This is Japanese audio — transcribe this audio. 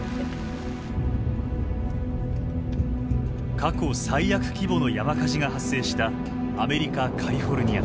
過去最悪規模の山火事が発生したアメリカ・カリフォルニア。